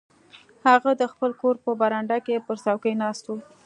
هغه د خپل کور په برنډه کې پر څوکۍ ناست و.